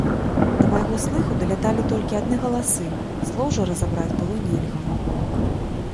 Да майго слыху даляталі толькі адны галасы, слоў жа разабраць было нельга.